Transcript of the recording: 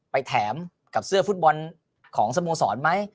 แถมกับเสื้อฟุตบอลของสโมสรไหม